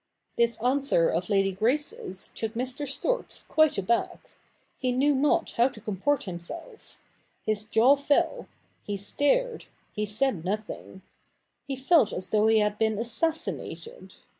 ' This answer of Lady Grace's took Mr. Storks quite aback. He knew not how to comport himself. His jaw fell — he stared — he said nothing. He felt as though he had been assassinated.